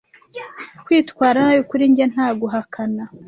Kwitwara nabi kuri njye, nta guhakana,